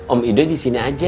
om ido di sini aja